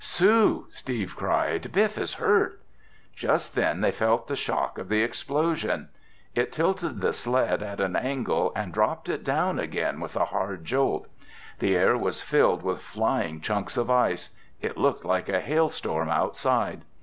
"Sue!" Steve cried. "Biff is hurt!" Just then they felt the shock of the explosion. It tilted the sled at an angle and dropped it down again with a hard jolt. The air was filled with flying chunks of ice. It looked like a hailstorm outside.